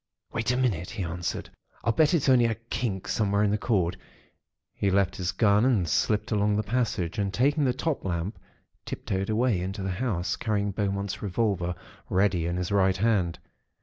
"'Wait a minute,' he answered. 'I'll bet it's only a kink somewhere in the cord.' He left his gun, and slipped along the passage, and taking the top lamp, tip toed away into the house, carrying Beaumont's revolver ready in his right hand.